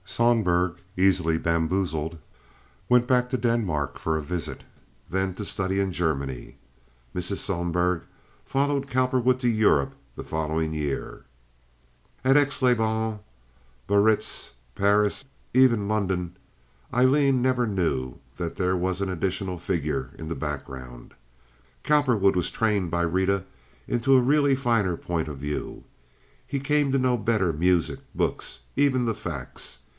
Sohlberg, easily bamboozled, went back to Denmark for a visit, then to study in Germany. Mrs. Sohlberg followed Cowperwood to Europe the following year. At Aix les Bains, Biarritz, Paris, even London, Aileen never knew that there was an additional figure in the background. Cowperwood was trained by Rita into a really finer point of view. He came to know better music, books, even the facts.